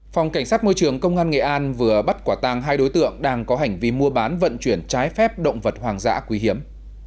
phòng cảnh sát môi trường công an nghệ an vừa bắt quả tàng hai đối tượng đang có hành vi mua bán vận chuyển trái phép động vật hoàng dã quý hiếm